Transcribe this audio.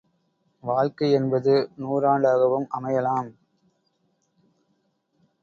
வாழ்க்கையென்பது நூறாண்டாகவும் அமையலாம்.